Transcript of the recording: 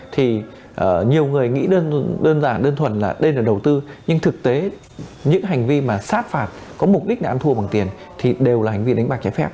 thì nhiều người nghĩ đơn giản đơn thuần là đây là đầu tư nhưng thực tế những hành vi mà sát phạt có mục đích là ăn thua bằng tiền thì đều là hành vi đánh bạc trái phép